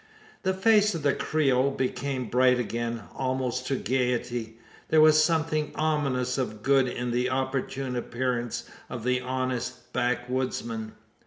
The face of the Creole became bright again almost to gaiety. There was something ominous of good in the opportune appearance of the honest backwoodsman.